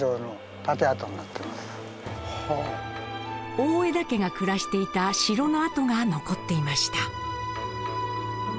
大條家が暮らしていた城の跡が残っていました。